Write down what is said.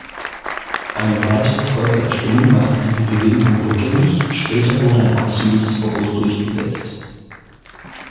Eine weitere Volksabstimmung machte diese Bewilligung rückgängig, später wurde ein absolutes Verbot durchgesetzt.